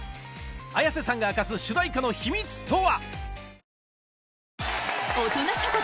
Ａｙａｓｅさんが明かす主題歌の秘密とは？